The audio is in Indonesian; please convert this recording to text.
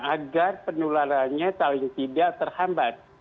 agar penularannya paling tidak terhambat